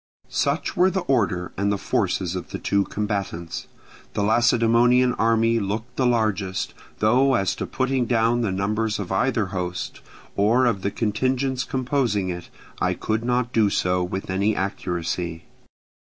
Such were the order and the forces of the two combatants. The Lacedaemonian army looked the largest; though as to putting down the numbers of either host, or of the contingents composing it, I could not do so with any accuracy.